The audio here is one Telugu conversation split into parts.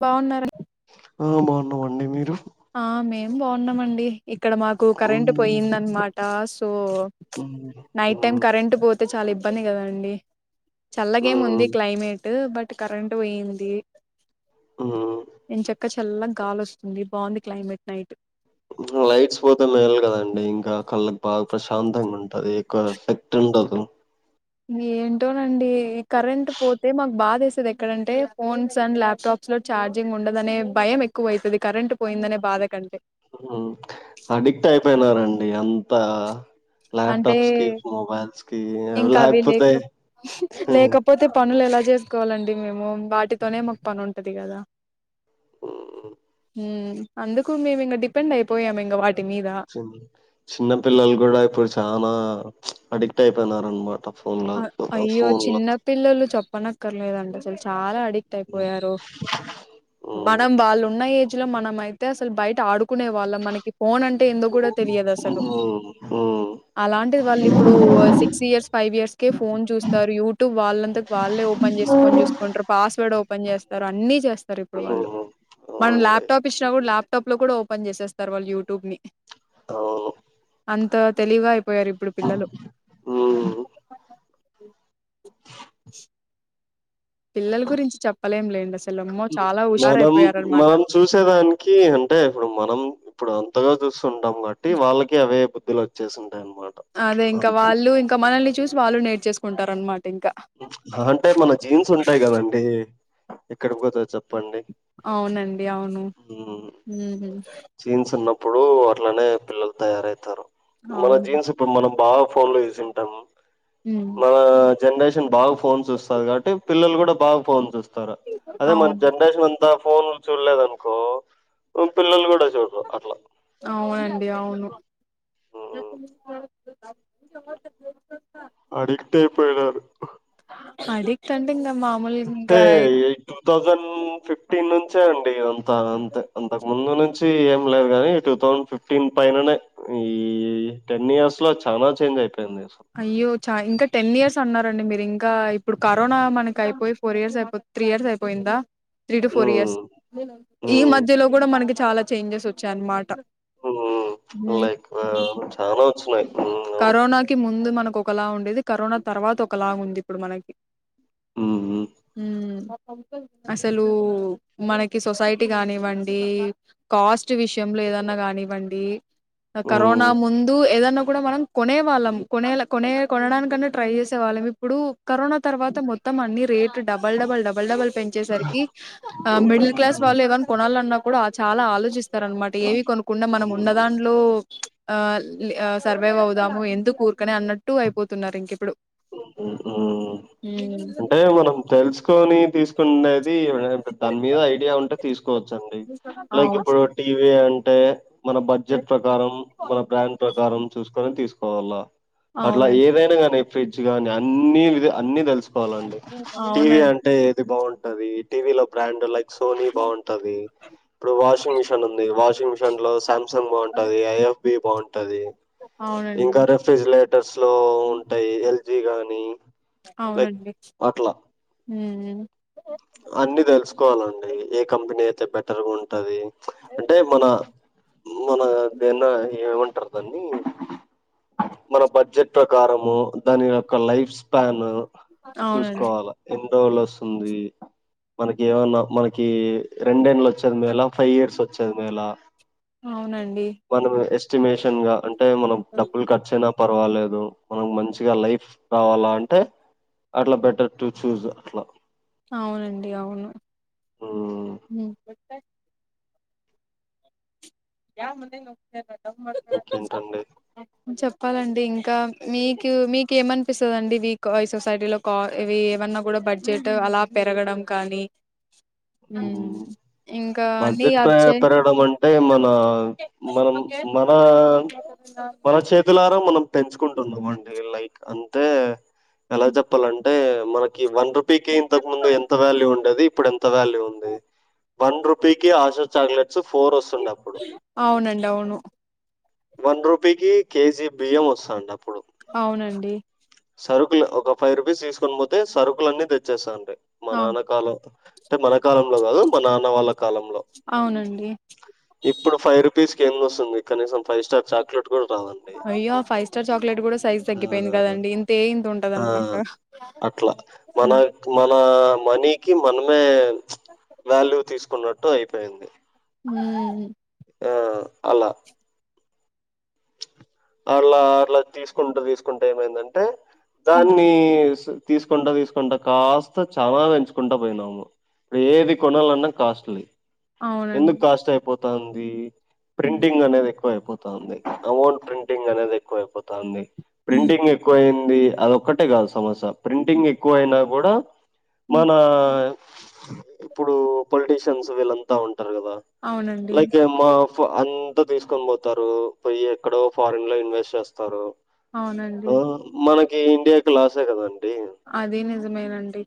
బావున్నార హ్మ్ బాన్నామండి మీరు ఆ మేం బాన్నామండి ఇక్కడ మాకు కరెంట్ మ్మ్. పోయిందనమాట సో మ్మ్. నైట్ టైం మ్మ్. కరెంట్ పోతే చాలా ఇబ పని కదా అండి మ్మ్. చల్లగేముంది క్లైమేట్ బట్ కరెంట్ పోయింది హ్మ్ చల్లగ్ గాలి వస్తుంది బాగుంది క్లైమేట్ నైట్ లైట్స్ పోతే మేల్ కదండి ఇంకా కళ్ళకి బాగా ప్రశ్ శాంతంగా ఉంటది ఎక్కువ ఎఫెక్ట్ ఉండదు ఏంటోనండి ఈ కరెంట్ పోతే మాకు బాధేస్తది ఎక్కడంటే ఫోన్స్ అండ్ ల్యాప్టాప్స్ లో ఛార్జింగ్ ఉండదనే భయం ఎక్కువ అయితది. కరెంట్ పోయిందనే బాధ కంటే. పెనారండి అంతా అంటే ల్యాప్టాప్స్ కి మొబైల్స్ కి ఇంకా అవి లేకపోతే లేక మ్మ్. లేకపోతే పనులు ఎలా చేసుకోవాలండి మేము వాటితోనే మాకు పని ఉంటది కదా [unintelligible] అందుకు మేము ఇంకా డిపెండ్ అయిపోయాం ఇంకా వా చిన్న పిల్లలు కూడా ఇప్పుడు చనా అడిక్ట్ అయిపోయినార అనమాట ఫోన్ల అయ్యో ఫోన్ల చిన్న పిల్లలు చెప్పన అకర్లేదండి చాలా అడిక్ట్ అక్ట్ అయిపోయారు మనం వాళ్ళు ఉన్నా లో మనం అతే అసలు బయట ఆడు కునే వాళ్ళం మనకి ఫోన్ అంటే ఎందు కూడా తెలియదు అసలు అలాంటిది వాళ్ళు ఇప్పుడు six years five years phone చూస్తారు యూ ట్యూబ్ వాళ్ళంతట వల్లే ఓపెన్ చేసుకొని చూసుకుంటారు పాస్వర్డ్ ఓపెన్ చేస్తారు అని చేస్తారు ఇప్పుడు వాళ్ళు మన అవునండి లాప్టాప్ ఇచిన ఇప్పుడు ల్యాప్టాప్ లో కూడా ఓపెన్ చేసేస్తారు వాళ్ళు యూట్యూబ్ ని అవు అంత తెలివిగా పోయారు ఇప్పుడు పిల్లలు హ్మ్. పిల్లల గురించి చెప్పలేం లేండి అసలు అమ్మో చాలా మనం హుషారయిపోయారనమాట మనం చూసేదానికి అంటే ఇప్పుడు మనం ఇప్పుడు అంతగా ఉంటాం కాట్టి వాళ్ళకి అవే వ వచ్చేస అదే ఇంకా వాళ్ళు ఇంకా మనల్ని చూసి వాళ్ళు నేర్చేసుకుంటా అన్నమాట అంటే మన జీన్స్ ఉంటాయి కదండి ఎక్కడకి పోత చెప్ప అవునండి అవును ఇప్పుడు అట్లనే పిల్లలు తయారవుతారు మన అవును జీన్స్ ఇప్పుడు మనం బాగా ఫోన్ లో చుసింటాము మ్మ్ జనరేన్ బాగు ఫోన్స్ చుస్తారు కాబట్టి పిల్లలు కూడా బాగా ఫోన్స్ చుస్తారు అదే మన అవును జనరేషన్ అంతా ఫోన్ ను చూడలేదు అనుకో పిల్లలు కూడా చూడరు అట్లా అవునండి అవును హ్మ్. అడిక్టే అయిపోయారు అడిక్ట్ [unintelligible] టె ఇంకా టూ థౌజండ్ ఫిఫ్టీన్ ను చేయవు అంత అంత అంత ముందు ఏం లేదు కానీ టూ థౌసండ్ ఫిఫ్టీన్ పైననే ఈ టెన్ ఇయర్స్ లో చానా చేంజ్ అయిపోంది అయ్యో చ ఇంక టెన్ ఇయర్స్ అన్నారండి మీరు ఇంకా ఇప్పుడు కరోనా మనకి అయిపోయి ఫోర్ ఇయర్స్ అయిపో త్రీ ఇయర్స్ అయిపోయిందా త్రీ టు ఫోర్ ఇయర్స్ హ్మ్. ఈ హ్మ్. మధ్యలో కూడా మనకి చాలా చేంజెస్ వచ్చాయన్నమాట హమ్ లైక్ ఆ చాలా సున్నయి కరోనాకి ముందు మనం క్కొక్కలా ఉండేది కరోనా తర్వాత ఒకలాగ ఉంది ఇప్పుడు మనకి హ్మ్. హమ్ అసలు మనకి సొసైటీ కానివ్వండి కాస్ట్ విషయంలో ఏదన్న కానివ్వండి కరోనా హ్మ్. ముందు ఏదన్న కూడ మనం కొనే వాళ్ళం కొనే కొనే కొనడానికన్నా ట్రై చేసే వాళ్ళం ఇప్పుడు కరోనా తర్వాత మొత్తం అన్ని rate double double double double పెంచేసరికి ఆ హ్మ్. మిడిల్ హ్మ్. క్లాస్ వాళ్ళు ఏవన్నా కొనాలన్నా కూడా చాలా ఆలోచిస్త స్తార అనమాట ఏవి కొనకుండా మనం హ్మ్. ఉన్న దాంట్లో ఆ సర్వేవవుద్ దము ఎందుకు ఊరకనే అన్నట్టు అయిపోతున్నారు ఇంక ఇప్పుడు అంటే మనం తెలుసుకొని తీసుకు తున్నది దని మీద ఐడియా ఉంటే తీసుకోవచ్చండి లైక్ అవును ఇప్పుడు టీవీ అంటే మన బడ్జెట్ ప్రకారం మన బ్రాండ్ ప్రకారం చూసుకొని తీసుకోవల్ల అట్లా అవునండి ఏదైన గానీ గాని అన్ని వి అన్ని తెలుసు పోవాలండి టీవీ అవునండి అంటే ఏది బాగుంట ది టీవీలో బ్రాండ్ల అయితే సోనీ బాగుంటది ఇప్పుడు వాషింగ్ మిషన్ ఉంది వాషింగ్ మిషన్ లో సామ్సంగ్ బాగుంటది ఐఎఫ్ బేబాం ఉంటది ఇంకా అవునండి రెఫ్రిజిరేటర్స్ లో ఉంటయి ఎల్ జీగానీ అవునండి హమ్ హమ్ అన్ని తెలుసుకోవాలండి ఏ కంపెనీ అయితే బెటర్గా ఉంటది అంటే మన మన దేన్న ఏమం దన్ని మన బడ్జెట్ ప్రకారము దాని ఒక లైఫ్ స్పాన్ అవునండి చూసుకోవాల లోవల్ వస్తుంది మనకి ఏమన్నా మనకి రెండేళ్ళ వచ్చది మేల ఫైవ్ ఇయర్స్ వచ్ చేదిమేలా అవునండి మనము ఎస్టిమేషన్ అంట అంటే మనం డబ్బులు కర్చ పర్వాలేదు మనకు మంచిగా లైఫ్ రావాలా అంటే అట్ల బెటర్ టు చూజ్ అట్ల అవునండి అవును హ్మ్. హమ్ యా మన నతా ఇంకేంటండి? చెప్పాలండి ఇంకా మీకు మీకు ఏమనిపిస్తుందండి ఈ సొసైటీలో కా ఇవి ఏమన్నా కూడా బడ్జెట్ అలా పెరగడం కానీ హమ్ హ్మ్. బడ్జెట్ పెరగడం అంటే మన మనం మన మన చేతులార మనం పెంచుకుంటునం అండి లైక్ అంతే ఎలా చెప్పాలండి అంటే మనకి ఇ వన్ రూపీకి ఇంతక ముందు ఎంత వాల్యూ ఉండేది ఇప్పుడు ఎంత వాల్యూ ఉంది వన్ రూ పికి ఆశ చాక్లెట్ ఫోర్ వస్తుండ అప్పుడు అవునండి అవును వన్ రూపీ కి కె జి బియ్యం ఒస్తాంద్ అప్ అవునండి సరుకులు ఒక ఫైవ్ రూపీస్ తీసుకొని పోతే సరుకులన్నీ తెచ్చేస్తా అంతే మా అ నాన్నకాల అంటే మన కాలంలో కాదు మన నాన్న వాళ్ళ కాలంలో అవునండి ఇప్పుడు ఫై రుప్ రూపీస్ కి ఏం వస్తుంది కనీసం ఫైవ్ స్టార్ చాక్లెట్ కూడా రాదండి అయ్యో ఫైవ్ స్టార్ చాక్లెట్ కూడా సైజ్ ఆ! తగ్గిపోయింది కదండి ఇ ఆ అట్లా మన ఉమ్ మన మనీకి మనమే వాల్యూ తీసుక్ కొన్నట్టు అయిపోయింది ఉమ్ ఆ అలా అల అట్లా తీసుకుంటూ తీసుకుంటే ఏమైందంటే దాన్ని తీసుకుంట తీసుకుంటా కాస్త చాలా పెంచుకుంటా పోయినాము ఏది కొనాలన్నా కాస్ట్లీ అవునండి ఎందుక్ కాస్ట్ అయిపోత్ తంది ప్రింటింగ్ అనారు త అయిపోతంది అమౌంట్ ప్రింట్ టింగ్ అనేది ఎక్కువ అైపోతుంది ప్రింటింగ్ ఎక్కువైన్ ఉం అది ఒక్కటే కాదు సమస్య ప్రింటింగ్ ఎక్కువ అయినా కూడా మనా ఇప్పుడు పొలిటీషియన్స్ వీళ్ళంతా ఉంట్ టర్ ఆయనబదా అవునండి లైక్ మా అంతా తీసుకని పోతారు పోయి ఎక్కడో ఫారెన్ లో ఇన్వెస్ట్ చేస్తారు అవునండి ఆ మన ఇండియా లాస్ ఎ కదాండి అది నిజమేనండి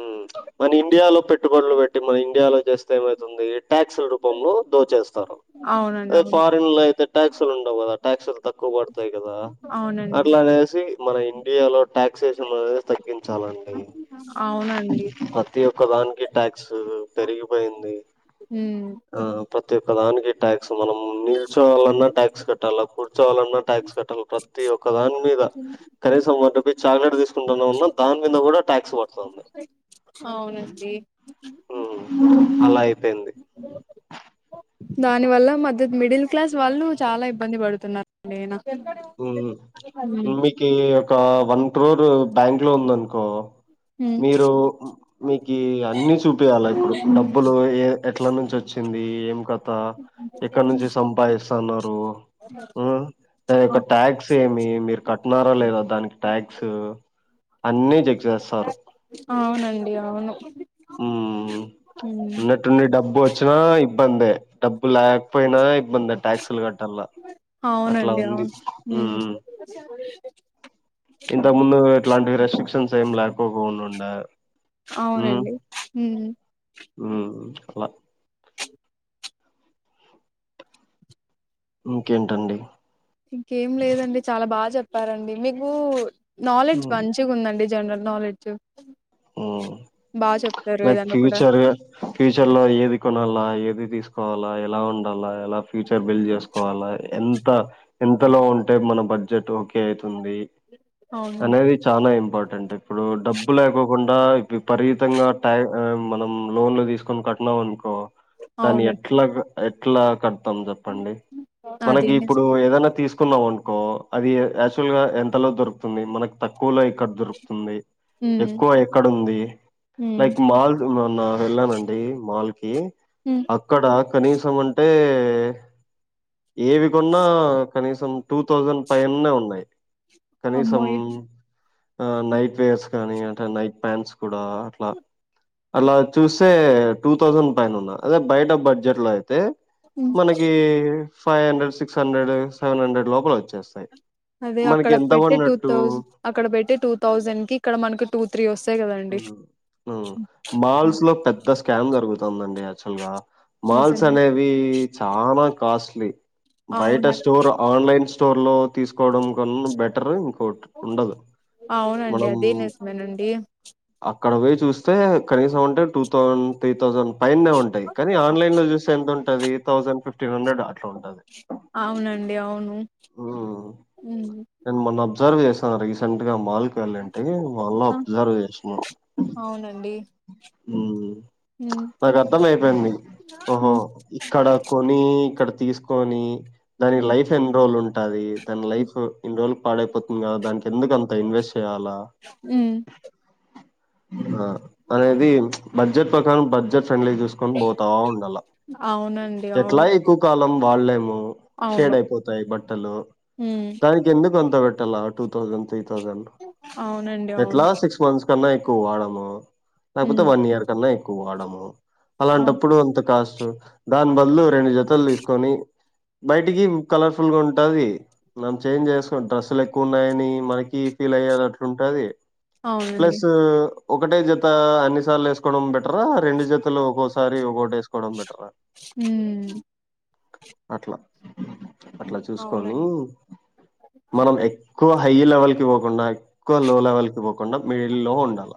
ఉమ్ మన ఇండియాలో పెట్టుబడులు పెట్టి మన ఇండియాలో జేస్త్ తుంది ఏ ట్యాక్స్ల రూపంలో దోచేస్తారు అవునండి అదే అవును ఫారిన్ లో అయితే ట్యాక్సులు ఉండవు కదా ట్యాక్సులు తక్కువ పడతాయి కదా అవునండి అట్లానేసి మన ఇండియాలో ట్యాక్స్ తగ్గించాలండి అవునండి ప్రతి ఒక్క దానికి ట్యాక్స్ పెరిగిపోయింది ఉమ్ ఆ ప్ర క్క దానికి ట్యాక్స్ మనం నిల్చోవాళన్నా ట్యాక్స్ కట్టాల కూర్చోవాలన్నా ట్యాక్స్ కట్టాలి ప్రతి ఒక్క దాని మీద కనీసం వట చాక్లెట్ తీసుకుంటున్నా ఉన్నా దాని మీద కూడా టాక్స్ ప తంది అవునండి ఉమ్ అలా అయిపోయింది దాని వల్ల మధ్య మిడిల్ క్లాస్ వాళ్ళు చాలా ఇబ్బంది పడుతున్నారండి ఉమ్ ఉమ్, ఉమ్మి ఒక వన్ క్రోర్ బ్యాంక్ లో ఉంద అనుకో ఉమ్, మీరు మీకి అన్ని చూపియ్యాలా ఇప్పుడు డబ్బులు ఏ ఇంట్ల నుంచి వచ్చింది ఏం క పా ఎక్కడ నుంచి సంపాదిస్త తన అ యొక్క ట్యాక్స్ ఏమి మీరు కట్టినారా లేదా దానికి ట్యాక్స్ అన్ని చెక్ చేస్తారు అవునండి అవును ఉమ్, ఉన్నట్టుండి డబ్బు వచ్చ చానా ఇబ్బందే డబ్ లేకపోయినా ఇబ్బంది ట్యాక్సులు కట్టల్ల అలా అవునండి ఉంది అవును ఉమ్ ఇంతకు ముందు ఇట్లాంటి రెస్ట్రిక్షన్ ఏం లేకపో కోకునుండ అవునండి ఉ ఉమ్ అలా ఇంకేంటండి ఇంకేం లేదండి చాలా బాగా చెప్పారండి మీకు నాలెడ్జ్ మంచిగా ఉందండి జనరల్ నాలెడ్జ్ ఉమ్ బాగా చెప్తారు లైక్ ఏదన్నా కూడా ఫ్యూచర్ ఫ్యూచర్ లో ఏది కొనల్ల ఏది తీసు వాల ఎలా ఉండల్ల ఎలా ఫ్యూచర్ బిల్డ్ చేసుకోవాలా ఎంత ఎంతలో ఉంటే మన బడ్జెట్ ఓకే అయితు తుంది అవునండి అనేది చాలా ఇంపార్టెంట్ అంటే ఇప్పుడు డబ్బు లేకో కుండా ఇ విపరీతంగా టైమ్ మనం లోన్లు తీసుకొని కట్టినాం అనుకో దాని అవునండి ఎట్లాగా ఎట్ ఎట్లగా తం చెప్పండి అదే మనకి ఇప్పుడు నిజం ఏదైనా తీసు తీసుకున్నాం అనుకో అది యాక్చువల్ గా ఎంతలో దొరుకుతుంది మనకు తక్ తక్కువలో ఎక్కడ దొరుకుతుంది ఉమ్ ఎక్కు ఎక్కడ ఉంది ఉమ్ లైక్ మాల్ మొన్న వెళ్ళానండి మాల్ కి ఉమ్ అక్కడ కనీసం అంటే ఏవి కొన్నా కనీసం టూ థౌజండ్ పైన్నే ఉన్నాయి కనీసం అమ్మోయ్ ఆ నైట్ వేర్స్ కానీ నైట్ ప్యాంట్స్ కూడా అట్లా అలా చూస్తే టూ థౌసండ్ పైన ఉన్న అదే బయట బడ్జెట్ లో అయి తే ఉమ్ మనకి five hundred six hundred seven hundred లోపల వచ్చేస్తాయి అదే మనకి అక్కడ ఎంత పెట్టే టూ పడినట్టు థౌజ అక్కడ పెట్టే టూ థౌజన్ కి ఇక్కడ మనకు టూ త్రీ వస్తాయి కదండి ఉ మాల్స్ లో పెద్ద స్కామ్ జరుగు జరుగుతుందడి యాక్చువల్గా మాల్స్ నిజమే అనేవి చాలా కాస్ట్లీ బయట అవును స్టోర్ ఆన్లైన్స్ స్టోర్ లో తీసుకోవడం కన్నా బెటర్ ఇంకోట్ ఉండదు అవునండి మనం అదే నిజమేనండి అక్కడ పోయి చూస్తే కనీసం అంటే టూ థౌసండ్ త్రీ థౌసండ్ పైన్నే ఉంటాయి కానీ అ- ఆన్లైన్ లో చూస్తే ఎంత ఉంట ఉంటది దతౌసండ్ ఫిఫ్టీన్ హండ్రెడ అట్లా ఉంటది అవునండి అవును ఊ ఉమ్ నేను మొన్న అబ్జర్వ్ చేస్థన్న రీసెంట్ గా మాల్కు వెళ్ళింటే ఏ ఆ అల్లప్ అవునండి ఊ ఉమ్ నాకు అర్థం అయిపోయింది ఓహో ఉమ్ ఇక్కడ కొని ఇక్కడ తీసుకొనీ దానికి ఉమ్ లైఫ్ ఎన్ని రోజులుంటుంది. టాది దాని లైఫ్ ఇన్ని రోజులు పాడైపోతుంది కాదా దానికి ఎందుకుంత ఇన్వెస్ట్ చేయాల ఉమ్, ఆ అనేది బడ్జెట్ ప్రకారం బడ్జెట్ అండ్లి చూసుకని పోతా ఉండాల అవునండి ఎట్లా అవును ఎక్కువ కాలం వాళ్ళెము షేడ్ అవును అయిపోతాయి బట్టలు ఉమ్ దానికి ఎందుకు ఎందుకంత బెట్టాల టూ తౌసండ్ త్రీ తౌ థౌసాండ్ అవునండి ఎట్లా అవును లాస్ట్ సిక్స్ మంత్స్ కన్నా ఎక్కువ వాడము తగ్గుతే ఉమ్ వన్ ఇయర్ కన్న ఎక్కువాడము అవు అలాంటప్పుడు అంత కాస్ట్ దాని బదులు రెండు జతలు తీసుకొని బయటికి కలర్ఫుల్ గా ఉంటది మనం చేంజ్ చేసుకుని డ్రెస్సులు ఎక్కువ ఉన్నాయని మనకి ఫీల్ అయ్యే అట్లుంటది అవునండి ప్లస్ ఒకటే జత అన్నిసార్లు వేసుకోవడం బెటరా రెండు జతలు ఒక్కోసారి ఒకటి వేసుకో ఊ అట్లా అట్లా చూసుకొని అవునండి మనం ఎక్కువ హై లెవెల్కి పోకుండా ఎక్కువ లో లెవెల్కి పోకు కకుండా మిడిల్ లో ఉండాల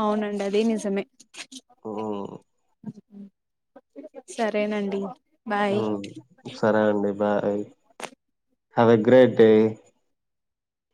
అవునండి అది నిజమే ఆ సరేనండి బాయ్ ఊ సరే అండి బాయ్ హవే గ్రేట్ డే